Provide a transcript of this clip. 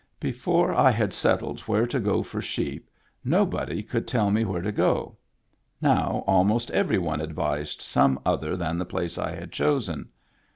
Before I had set tled where to go for sheep, nobody could tell me where to go ; now almost every one advised some other than the place I had chosen.